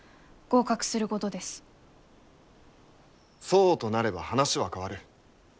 そうとなれば話は変わる。